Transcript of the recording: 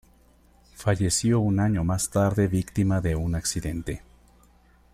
Falleció un año más tarde víctima de un accidente.